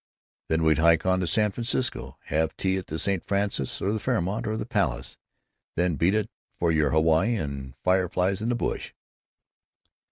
"Then we'd hike on to San Francisco; have tea at the St. Francis or the Fairmont or the Palace; then beat it for your Hawaii and fireflies in the bush."